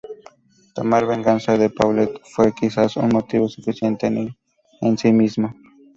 Tomar venganza de Paulet fue quizás un motivo suficiente en sí mismo.